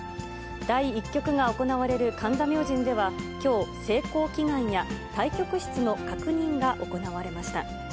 第１局が行われる神田明神では、きょう、成功祈願や、対局室の確認が行われました。